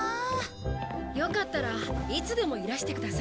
よかったらいつでもいらしてください。